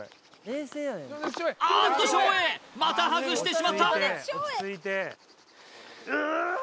あーっと照英また外してしまったううっ